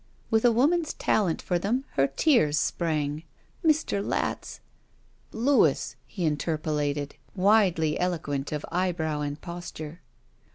With a woman's talent for them, her tears sprang. •'Mr. Latz— •'Louis," he interpolated, widely eloquent of eyebrow and posture.